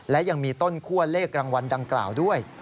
และยังมีต้นคั่วเลขรางวัลดังกล่าวด้วย